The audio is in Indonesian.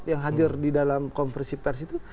yang hadir di dalam konversi pers itu